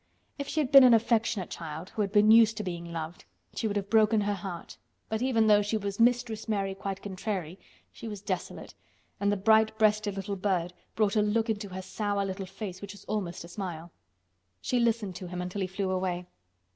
If she had been an affectionate child, who had been used to being loved, she would have broken her heart, but even though she was "Mistress Mary Quite Contrary" she was desolate, and the bright breasted little bird brought a look into her sour little face which was almost a smile. She listened to him until he flew away.